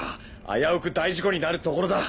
あやうく大事故になるところだ。